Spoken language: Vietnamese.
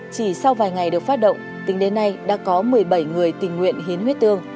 chỉ sau vài ngày được phát động tính đến nay đã có một mươi bảy người tình nguyện hiến huyết tương